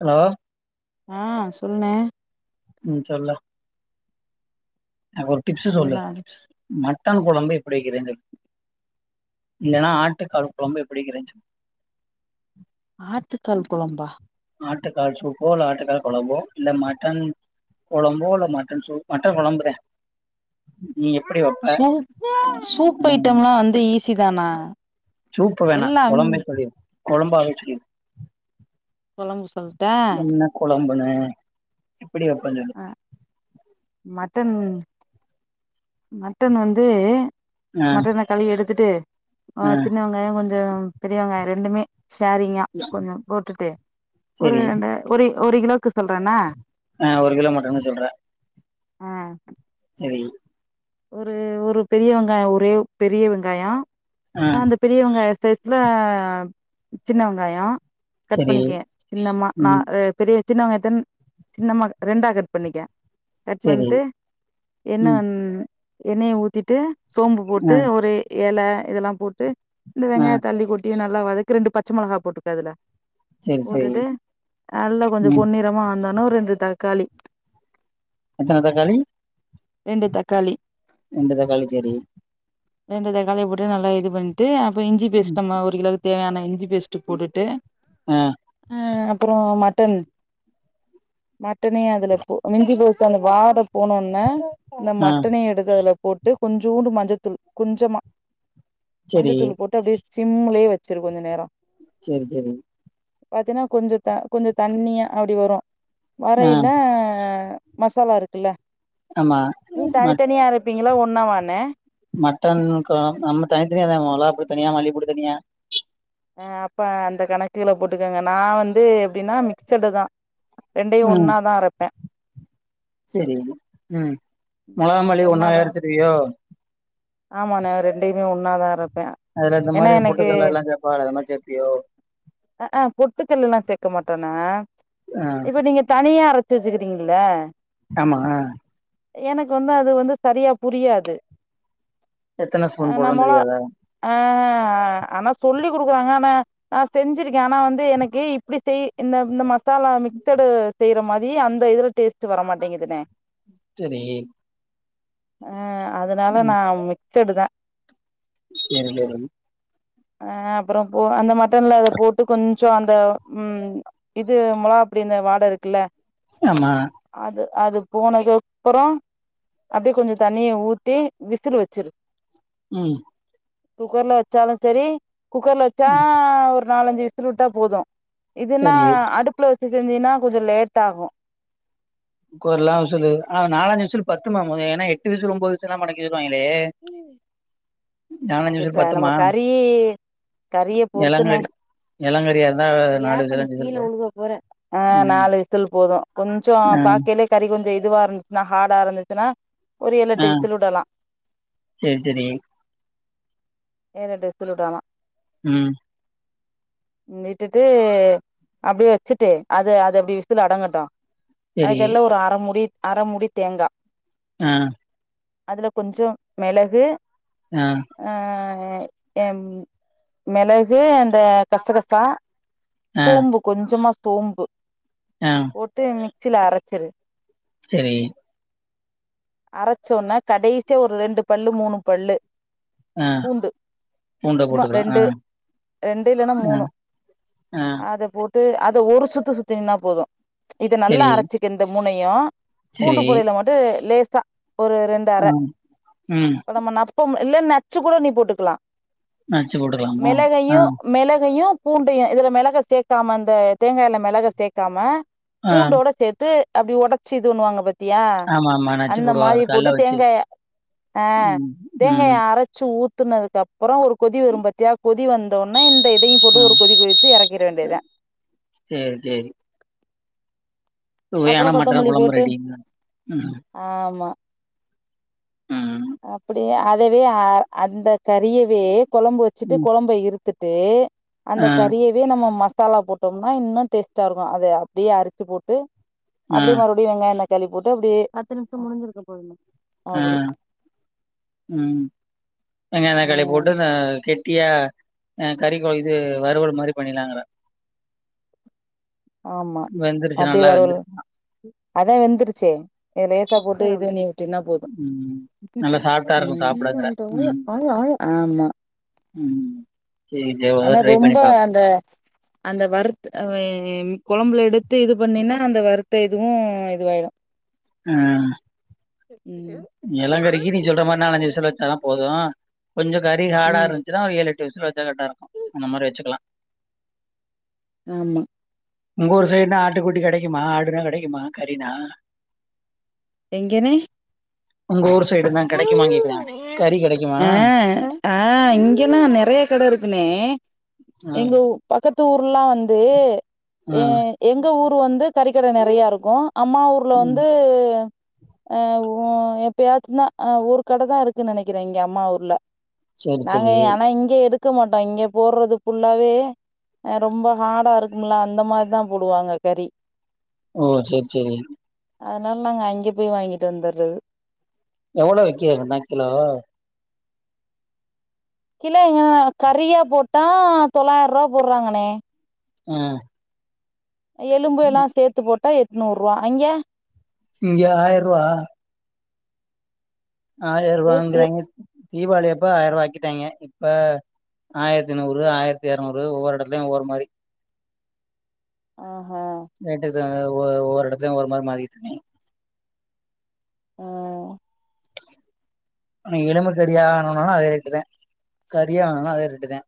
hello ஆ சொல்ணே ம் சொல்லு ஒரு டிப்ஸு சொல்லு பண்ணிலா மட்டன் கொழம்பு எப்படி வெக்கிறேஞ் சொல் இல்லன்னா ஆட்டுக்கால் குழம்பு எப்படி வெக்கிறேஞ் சொல் ஆட்டுக்கால் குழம்பா ஆட்டுக்கால் சூப்போ இல்ல ஆட்டுக்கால் கோழம்போ இல்ல மட்டன் கொழம்போ இல்ல மட்டன் சூப் மட்டன் கொழம்புதே நீ எப்படி வெப்ப சூப் சூப் ம் ஐட்டம் எல்லா வந்து ஈஸி தானா சூப்ப வேணா எல்லாம் கொழம்பே சொல்லிரு கொழம்பாவே சொல்லிரு கொழம்பு சொல்ட்டா கொழம்புன்ன எப்படி வைப்ப சொல்லு அ மட்டன் மட்டன் வந்து ஆ மட்டன கழுவி எடுத்துட்டு ஆ சின்ன வெங் வெங்காயோ கொஞ்சோ பெரியவங்காயோ ரெண்டுமே ஷேரிங்கா கொஞ்சம் போட்டுட்டு ஒரு செரி ரெண்டு ஒரு ஒரு கிலோக்கு சொல்றேன்ன ஆ ஒரு கிலோ மட்டன்ன சொல்ற ஆ சரி ஒரு ஒரு பெரிய வெங்காயோ ஒரே பெரிய வெங்காயோ ஆ அந்த பெரிய வெங்காயோ சைஸ்ல சின்ன வெங்காயோ கட் செரி பண்ணிக்கே இல்லமா நா ம் அ பெரிய சின்னவங்த்தன் சின்னம்மா ரெண்டா கட் பண்ணிக்கே கட் செரி பண்ணிட்டு எண்ணெ ம் எண்ணெய ஊத்திட்டு சோம்பு ஆ போட்டு ஒரு எல இதெல்லா போட்டு இந்த ஆ வெங்காய தள்ளி கொட் ட்டி நல்லா வதக்கு ரெண்டு பச்ச மொளகா போட்டுக்கோ அதுல செரி செரி போட்டுட்டு நல்ல கொஞ்சோ ம் பொன்னிறமா வந்தோனே ரெண்டு தக்காளி எத்தன தக்காளி ரெண்டு தக்காளி ரெண்டுதக்காளிச்சேரி ரெண்டு தக்காளிய போட்டு நல்லா இது பண்ணிட்டு அப்ப இஞ்சி பேஸ்ட் ம் நம்ம ஒரு [unintelligible] தேவையான இஞ்சி பேஸ்ட் போட்டுட்டு ஆ ஆ அப்புறோ மட்டன் மட்டனே அதுல போ மிஞ்சி போசு அந்த வாட போனோனே இந்த ஆ மட்டனையு எடுத்து அதுல போட்டு கொஞ்சூண்டு மஞ்சத்தூள் கொஞ்சமா செரி மஞ்சத்தூள் போட்டு அப்டியே சிம்லேயே வச்சிரு கொஞ்ச நேரோ செரி செரி பாத்தீன்னா கொஞ்ச த கொஞ்ச தண்ணியா அப்டி வரு ஆ வரையில மசாலா இருக்குல்ல ஆமா நீ ம தனித்தனியா அரைப்பீங்ளா ஒன்னா வானே மட்டன் கொழ நம்ம தனித்தனியா தா மொளாப்பொடி தனியா மல்லிப்பொடி தனியா அ அப்ப அந்த கணக்குகள போட்டுக்கோங்க நா வந்து எப்டின்னா மிக்சடு தா ரெண்டையு ம் ஒன்னாதா அரைப்பே செரி ம் மொளகா மல்லி ஒண்ணாவே அரச்சிருவியோ ஆமா னே ரெண்டயுமே ஒன்னாதா அரப்பே அதுல இந்த ஏன்னா மாரி எனக்கு பொட்டுகல்ல அதுலா சேப்பாகளே அது மாரி சேப்பியோ அ ஆ பொட்டுக்கல்லலா சேர்க்க மாட்டோனா ஆ இப்ப நீங்க தனியா அரச் ச்சி வச்சுக்கிடீங்ளே ஆமா எனக்கு வந்து அது வந்து சரியா புரியாது எத்தன ஆ ஸ்பூன் போடணுன் நம்மொளா தெரியாதா ஆ ஆ ஆனா சொல்லிக்குடுக்றாங்க ஆனா நாசெஞ்சிருக்கே ஆனா வந்து எனக்கு இப்டி செய் இந்த இந்த மச மசாலா மிக்சடு செய்ற மாரி அந்த இதுல டேஸ்ட் வர மாட்டேங்குதுண்ணே சேரி அ அதனால நா மிச்சடுதா ஏ அந்த மாரி அ அப்றோ போ அந்த மட்டன்ல அத போட்டு கொஞ்சோ அந்த ம் இது மொளகாப் பொடி இந்த வாட இருக்குல்ல ஆமா அது அது போனதுகப்றோ அப்டியே கொஞ்சோ தண்ணிய ஊத்தி விசில் வச்சிரு ம் குக்கர்ல வச்சாலு சேரி குக்கர்ல வச்சா ம் ஒரு நாலஞ்சு விசிலு விட்டா போது இதுன்னா செரி அடுப்புல வச்சு செஞ்சீன்னா கொஞ்சோ லேட் ஆகு குக்கரலா விசில்லு நாலஞ்சி விசிலு பத்துமா மொத ஏனா எட்டு விசிலு ஒன்போது விசிலு லா ம இதுவாங்கலே அது கா நம்ம கறி கறிய பொருத்துணே எளங்கறி எளங்கறியா இருந்தா நாலு யாப்ப விசில் நீ அஞ்சு கீழ விசில் போது வுழுவ போற ஆ ம் நாலு வி சில் போது கொஞ்சோ ஆ பாக்கயிலே கறி கொஞ்சோ இதுவா இருந்துச்சுன்னா ஹார்டா இருந்துச்சுன்னா ஒரு ஏழு ஆ எட்டு விசில் விடலா சேரி சேரி ஏழெட்டு விசில் வுடலா ம் விட்டுட்டு அப்டியே வச்சுட்டு அது அது அப்டி விசில் அடங்கட்டு சேரி அதுக்கெடைல்லா ஒரு அரமுடி அரமுடி தேங்கா ஆ அதுல கொஞ்சோ மெளகு ஆ ஆ எ மெளகு அந்த கச கசா ஆ சோம்பு கொஞ்சமா சோம்பு ஆ போட்டு மிக்சில அரச்சிரு சேரி அரச்சோன்ன கடேசிய ஒரு ரெண்டு பல்லு மூணு பல்லு ஆ பூண்டு பூண்ட சும்மா போட்டுக்கலா ஆ ரெண்டு ரெண்டு இல்ன்னா ஆ மூணு ஆ அத போட்டு அத ஒரு சுத்து சுத்தினனா போது இத நல்லா சேரி அரைச்சுக்க இந்த மூணையு பூண்டு சேரி பொடையில மட்டு லேச ஒரு ரெண்டு ஆ அர ம் பதமனா இப்ப இல்ல நச்சு கூட நீ போட்டுக்கலா நச்சு போட்டுக்கலாமா ஆ மெளகையு மெளகையு பூண்டையு இதுல மெளக சேக்காம அந்த தேங்காயில மெளக சேக்காம ஆ பூண்டோட சேத் து அப்டி உடைச்சு இது பண்ணுவாங்க பாத்தியா ஆமா ஆமா நச்சு அந்த போடுவா மாரி அது கல்ல போட்டு வச்சு தேங்காய ஆ ம் ம் தேங்காய அரச்சு ஊத் துனதுக்கு அப்றோ ஒரு கொதி வரும் பாத்தியா கொதி வந்தோனா இந்த இதையு ஆ போட்டு ஒரு கொதி கொதிச்சு இறக்கிட வேண்டியதா சேரி சேரி சுவையான அப்புறோ மட்டன் கொத்தமல்லி கொழம்பு போட்டு ரெடிங்க ம் ஆமா ம் அப்டியே அ தவே அந்த கறியவே கொழம்பு வச்சுட்டு ம் கொழம்ப இருத்துட் டு அந்த ஆ கறிய வே நம்ம மசாலா போட்டோம்னா இன்னு டேஸ்ட்டா இருக்கு அத அப்டியே அரிச்சு போட்டு ஆ அப்டியே மறுபடியு வெங்காய தக்காளி போட்டு அப்டியே பத்து நிம்ஷ முடிஞ்சதுக்கு அப்பறமா ஆ ம் வெங்காய ஆ தக்காளி போட்டு நா கெட்டியா அ கறிக் கொ இது வறுவல் மாரி பண்ணிர்லாங்குறே ஆமா வெந்துருச்சு அப்டியே நல்லா வறுவல் வெந்துருச்சு அதா வெந்துருச்சே ஏ லேசா போட்டு இது வண்ணி விட்டினா போது ம் நல்லா சாஃப்டா இருக்கும் சாப்டங்கற ம் ஆமா ம் சரி சரி ஒரு தடவ ஆனா ட்ரை பண்ணி ரொம்ப பாப் அந்த அந்த வறுத்து அவே கொழம்புல எடுத்து இது பண்ணினா அந்த வறுத்த இதுவு இதுவாயிரு ஆ ம் எளங்கரிக்கு நீ சொல்ற மாரி நாலஞ்சு விசில் வச்சாலா போது கொஞ்ச கறி ஹாடா ம் இருந்துச்சு சுனா ஒரு ஏழெட்டு விசில் வச்சா கரெக்டா இருக்கு அந்த மாரி வச்சுக்கலா ஆமா உங்க ஊர் சைடுனா ஆட்டுக்குட்டி கெடைக்குமா ஆடுனா கெடைக்குமா கறினா எங்கணே உங்க ஊர் சைடு தா கெடைக்குமாங் கேக்குறே கறி கெடைக்குமா ஆ ஆ இங்கெனா நெறைய கட இருக்குணே ஆ எங்க ஊ பக்கத்து ஊர்லா வந்து ஆ ஏ எங்க ஊரு வந்து கறிக்கட நெறையா இருக்கு அம்மா ஊர்ல ம் வந்து ஆ உ ஓ எப்பயாச்சுந்தா அ ஒரு கட தா இருக்குன் நெனைக்கிறே இங்க அம்மா ஊர்ல சரி நாங்க சரி ஆனா இங்க எடுக்க மாட்டோ இங்க போட்றது ஃபுல்லாவே அ ரொம்ப ஹார்டா இருக்கும்ல அந்த மாரிதா போடுவாங்க கறி ஓ சேரி சேரி அதனால நாங்க அங்கெ போய் வாங்கிட்டு வந்துட்றது எவளோ விக்குது அப்பிட்னா கிலோ கிலோ எங்க கறியா போட்டா தொளாயிர்ரூவா போட்றாங்கண்ணே அ அ எலும்பேல்லா சேத்து போட்டா எட்நூறுவா அங்கெ இங்க ஆயர்ரூவா ஆயர் எ எவ் ரூவாங்கிறாங்கெ தீபாவளி அப்ப ஆயர்ரூவா ஆக்கிட்டாங்கெ இப்ப ஆயரத்தி நூறு ஆயிரத்தி எரநூறு ஒவ்வொரு எடத்துலயு ஒவ்வொரு மாரி ஆஹா ரேட்டுக்காக ஒவ்வ ஒவ்வொரு எடத்துலையு ஒரு மாரி மாறிகிட்ருக்கு ஆ ஆனா எலும்பு கறியா வேணுனானு அதே ரேட்டுதே கறியா வேணுனா அதே ரேட்டுதே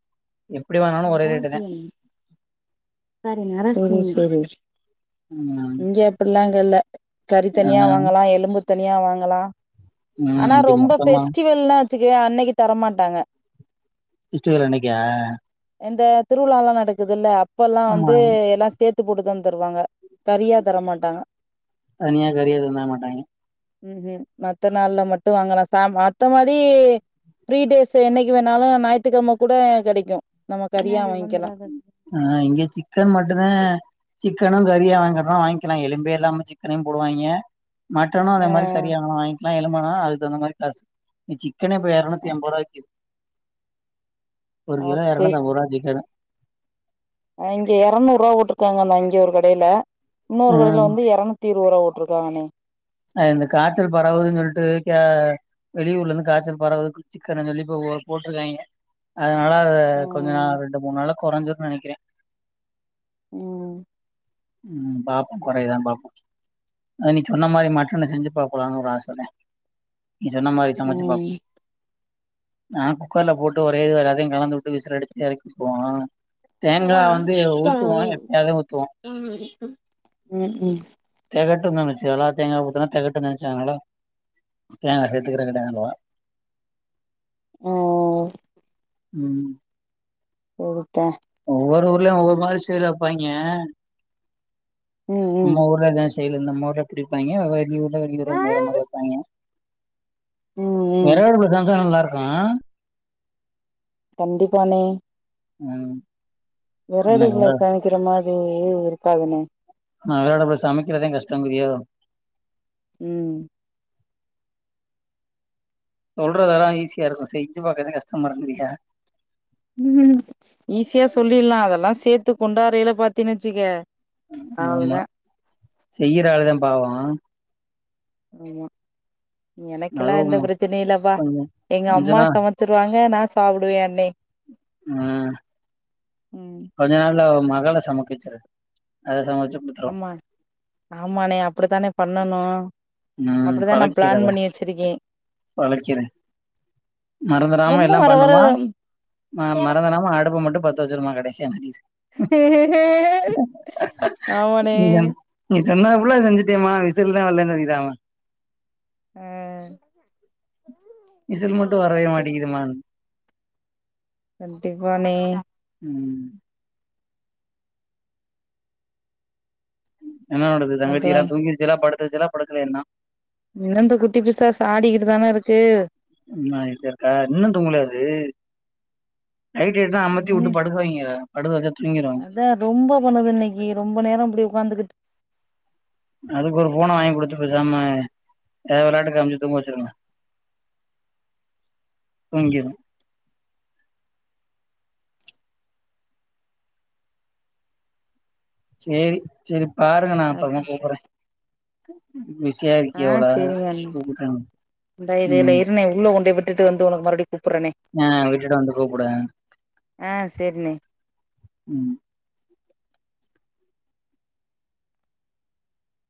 அதா தோழி போறீங்களா [unintelligible] ம் இங்கெ அப்பிட்லா‌ இங்க இல்ல தறி ஆ தனியா வாங்கலா எலும்பு தனியா வாங்கலா ம் ஆனா இது ரொம்ப மொத்தமா ஃபெஸ்டிவல்னா வச்சுக்கவே அன்னைக்கு தரமாட்டாங்க திருச்சி வர அன்னைக்கா இந்த திருவிழாலா நடக்குதுல்ல அப்பலா ஆமா வந்து எல்லா சேத் த்து போட்டுதா தருவாங்க கறியா தரமாட்டாங்க தனியா கறிய தந்துர மாட்டாங்கெ ம் ம் மத்த நாள்ல மட்டு வாங்கலா ச மத்த மாரி ஃப்ரீ டேஸ் என்னைக்கு வேணாலு ஞாயிறுக்கிழமை கூட கிடைக்கு நம்ம கறியா வாங்கிலா ஆஹ் இங்க சிக்கன் மட்டு தா சிக்கனு கறியா வாங்குறம்னா வாங்கிக்கலா எலும்பே இல்லாம சிக்கனையு போடுவாயிங்க மட்டனு அந்த ஆ மாறி கறியா வேணுனாலு வாங்கிக்கலா எலும்புனாலு அதுக்கு தகுந்த மாறி காசு சிக்கனே இப்போ இரநூத்தி எம்பது ரூபாக்கு விக்குது ஒரு கிலோ ஓகே இரநூத்தி ஐம்பது ரூபா சிக்கனு இங்க இரநூறு ரூபா போட்டுருக்காங்க அங்க ஒரு கடையில இன்னொரு ஆ கடையில வந்து இரநூ த்தி இருந்து ரூபா போட்டுருக்காங்கானே அது அந்த காய்ச்சல் பரவுதுன்னு சொல்லிட்டு கே வெளியூர்ல இருந்து காய்ச்சல் பரவுது சிக்கனு சொல்லி போட்டிருக்காங்க அதனால அத கொஞ்ச ம் நாள் ரெண்டு மூணு நாளா குறைஞ்சுருன்னு நினைக்கிறே ம் ம் பாப்போ குறைதா பாப்போ ஆ நீ சொன்ன மாறி மட்டன்னா செஞ்சு பாக்கலாம்னு ஒரு ஆசா தா நீ சொன்ன மாறி சமைச்சு பாப்பே ம் நா குக்கர்ல போட்டு ஒரே இது வரை அதையு கலந்து விட்டு விசில் அடிச்சு இறக்கி விட்டுருவே தேங்காய் வந்து ஊத்துவோ எப்ப யாது ஊத்துவோ ம் ம் தேகட்டு நினைச்சு அதுலா தேங்காய் ஊத்துனா தக்கட்டுனு நினைச்சாங்களால தேங்காய் சேத்துக்கிறிங்களா கேட்டாங்கே ஆ ம் போ விட்டோ ஒவ்வொரு ஊர்லயு ஒவ்வொரு மாறி ஸ்டைல வைப்பாங்க ம் நம்ம ஊர்ல இத சைடுல இந்த மோர குடிப்பாங்க அத வெளியூரு வேற ம் மாறி வைப்பாங்க ம் ம் விறகு அடுப்புல சமைச்சா நல்லா இருக்கு கண்டிப்பானே ம் விறகு என்னங்க அடுப்புல சமைக்கிற மாறி இருக்கது அண்ணே விறகு அடுப்புல சமைக்கிறதே கஷ்டேங்கிறியே ம் சொல்றது எல்லா ஈஸியா இருக்கு செஞ்சு பாக்கறாது தா கஷ்டமா இருக்குறியா ம் ஈஸியா சொல்லிறலா அத எல்லா சேத்து கொண்டாறையல பாத்தினா வச்சுக்கே ஆமா செய்ற ஆளுதா பாவே ஆமா எனக்கெல்லா எந்த அதுவு பிரச்சனை இல்ல பா கொஞ்சோ எங்க கொஞ்ச அம்மா நாள் சமைச் சுருவாங்க நா சாப்பிடுவே அண்ணே ஆ ம் கொஞ்ச நாள்ல மகளா சமைக்கா வைச்சுரு அது சமைச்சு குடுத்துரு ஆம்மா ஆமானே அப்டிதானே பண்ணணு ம் அப்டிதா நா பிளான் பண்ணி வச்சிருக்கே பழக்கிறே மறந்துடாம ரொம்ப எல்லா வர வர பண்ணுமா ம மறந்துடாம அடுப்ப மட்டு பாத்து பத்திரமா கடைசியா மாட்டிகிச்சு ஆமா ண்ணே நீ சொன் நீ சொன்னாத புல்ல செஞ்சுட்டமா விசில் தா வரலைனு நெனைக்குற அவ ஆ விசில் மட்டு வரவே கண்டிப் மாட்டிதுமான் கண்டிப்பானே ம் என்ன நடக்குது அப்றோ தங்கச்சிலா தூங்கிருசில்லா படுத்துருசில்லா படுக்கலயா இன்னு இன்னு இந்த குட்டி பிசாசு ஆடிகிட்டு தானருக்கு நா இதற்கா இன்னு தூங்கலையா அது லைட் எட்டா அமத்தி உட்டு படுக்க வைங்கி அத படுக்க வச்சா தூங்கிரு த ரொம்ப பண்ணுது இன்னைக்கி ரொம்ப நேரோ இப்டி உக்காந்துகிட்டு அதுக்கு ஒரு ஃபோன வாங்கி குடுத்து போசாம எதோ வெளாட்டுக்கு காமிச்சு தூங்க வச்சுருங்க தூங்கிரு சேரி சேரி பாருங்க நா அப்றமா கூப்புறே பிஷியா இருக்கிய போல கூப்பிட்டன் இந்த இதுகள இர்ன உள்ள கொண்டு போய் விட்டுட்டு வந்து ஒனக்கு மறுபடி கூப்புரேனே ஆ விட்டுட்டு வந்து கூப்புட ஆ செரிண்ணே ம்